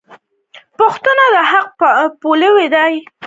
پښتون د حق پلوی دی.